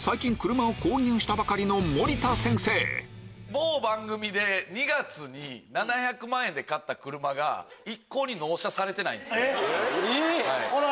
某番組で２月に７００万円で買った車が一向に納車されてないんすよ。